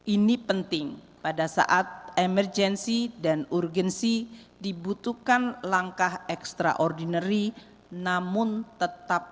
ini penting pada saat emergensi dan urgensi dibutuhkan langkah ekstraordinary namun tetap